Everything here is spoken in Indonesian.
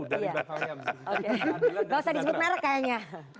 gak usah disebut merek kayaknya